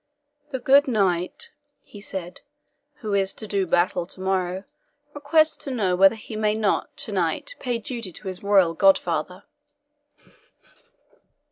"The good knight," he said, "who is to do battle tomorrow requests to know whether he may not to night pay duty to his royal godfather!"